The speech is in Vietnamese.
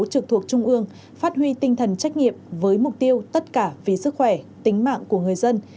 trực thuộc trung ương phát huy tinh thần trách nhiệm với mục tiêu tất cả vì sức khỏe tính mạng của người dân